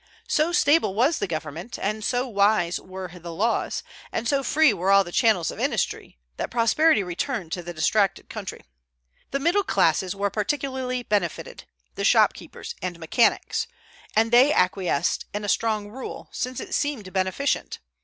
So stable was the government, and so wise were the laws, and so free were all channels of industry, that prosperity returned to the distracted country. The middle classes were particularly benefited, the shopkeepers and mechanics, and they acquiesced in a strong rule, since it seemed beneficent.